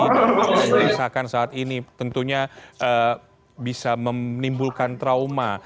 dan yang disahkan saat ini tentunya bisa menimbulkan trauma